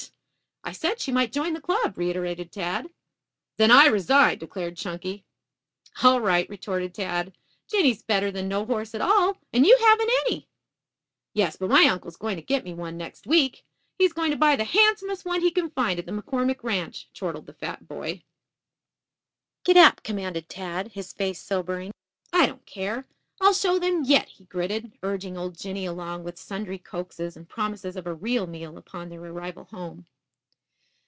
"I said she might join the club," reiterated Tad. "Then I resign," declared Chunky. "All right," retorted Tad. "Jinny's better than no horse at all. And you haven't any." "Yes, but my uncle is going to get me one next week. He's going to buy the handsomest one he can find out at the McCormick ranch," chortled the fat boy. "Gid ap!" commanded Tad, his face sobering. "I don't care. I'll show them yet," he gritted, urging old Jinny along with sundry coaxes and promises of a real meal upon their arrival home.